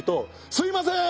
すいません！